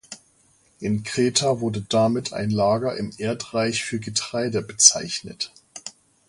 In Kreta wurde damit ein Lager im Erdreich für Getreide bezeichnet.